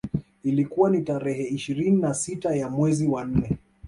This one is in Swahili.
Ilikuwa ni tarehe ishirini na sita ya mwezi wa nne